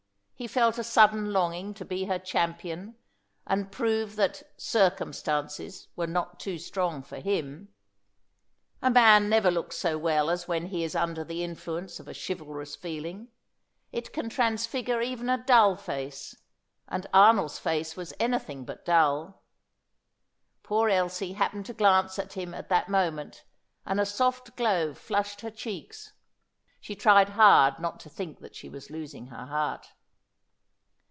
He felt a sudden longing to be her champion, and prove that "circumstances" were not too strong for him. A man never looks so well as when he is under the influence of a chivalrous feeling; it can transfigure even a dull face, and Arnold's face was anything but dull. Poor Elsie happened to glance at him at that moment, and a soft glow flushed her cheeks. She tried hard not to think that she was losing her heart.